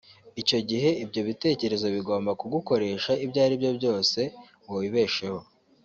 icyo gihe ibyo bitekerezo bigomba kugukoresha ibyo ari byo byose ngo wibesheho